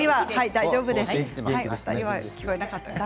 大丈夫です。